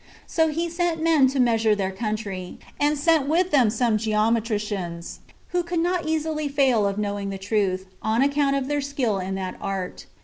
So he sent men to measure their country, and sent with them some geometricians, who could not easily fail of knowing the truth, on account of their skill in that art.